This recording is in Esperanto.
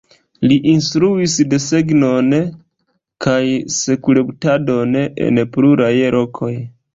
Li instruis desegnon kaj skulptadon en pluraj lokoj.